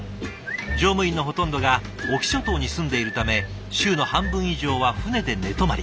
乗務員のほとんどが隠岐諸島に住んでいるため週の半分以上は船で寝泊まり。